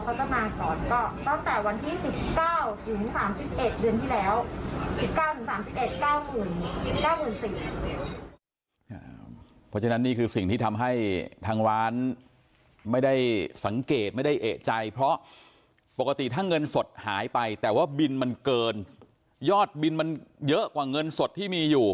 เพราะฉะนั้นนี่คือสิ่งที่ทำให้ทางร้านไม่ได้สังเกตไม่ได้เอกใจเพราะปกติถ้าเงินสดหายไปแต่ว่าบินมันเกินยอดบินมันเยอะกว่าเงินสดที่มีอยู่